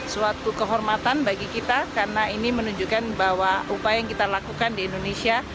suatu kehormatan bagi kita karena ini menunjukkan bahwa upaya yang kita lakukan di indonesia